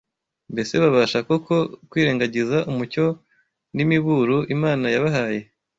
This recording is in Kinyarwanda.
Mbese babasha koko kwirengagiza umucyo n’imiburo Imana yabahaye?